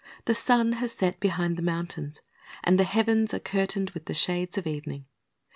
The sun has set behind the mountains, and the heavens are curtained with the shades of evening.